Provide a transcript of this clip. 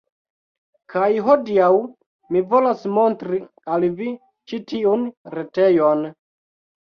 Kaj hodiaŭ mi volas montri al vi ĉi tiun retejon